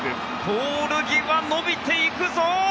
ポール際、伸びていくぞ！